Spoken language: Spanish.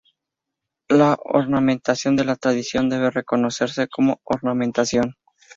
La ornamentación de la tradición, debe reconocerse como ornamentación.